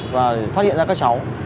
và phát hiện ra các cháu